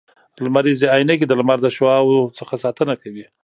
لمریزي عینکي د لمر د شعاوو څخه ساتنه کوي